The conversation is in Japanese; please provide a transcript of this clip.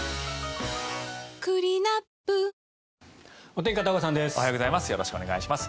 おはようございます。